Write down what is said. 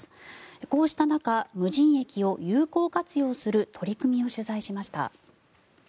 こうした中、無人駅を有効活用する取り組みを取材しました。